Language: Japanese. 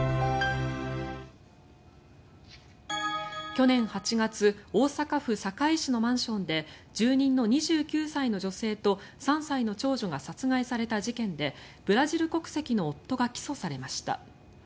去年８月大阪府堺市のマンションで住人の２９歳の女性と３歳の長女が殺害された事件でブラジル国籍の夫が起訴されました。